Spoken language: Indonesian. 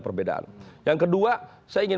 perbedaan yang kedua saya ingin